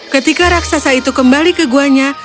ketika raksasa itu kembali ke gua nya